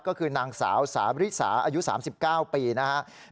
ก็คือนางสาวสาวริสาอายุ๓๙ปีนะครับ